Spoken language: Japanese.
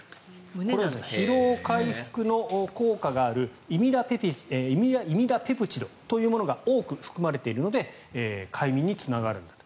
これ、疲労回復の効果があるイミダペプチドというものが多く含まれているので快眠につながるんだと。